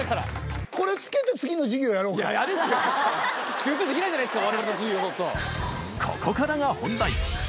集中できないじゃないですか。